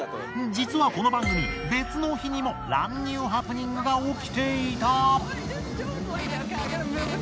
実はこの番組別の日にも乱入ハプニングが起きていた。